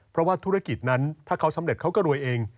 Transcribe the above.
เพราะว่าธุรกิจนั้นถ้าเขาสำเร็จเขาก็รวยเอง